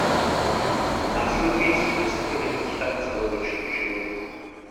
V následujících desetiletích tam celoročně žil.